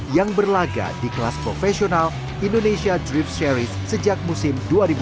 yang berlaga di kelas profesional indonesia drift series sejak musim dua ribu dua puluh